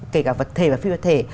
kể cả vật thể và phi vật thể